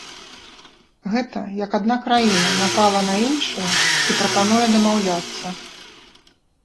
Гэта як адна краіна напала на іншую і прапануе дамаўляцца.